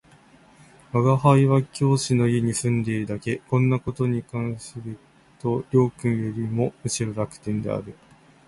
吾輩は教師の家に住んでいるだけ、こんな事に関すると両君よりもむしろ楽天である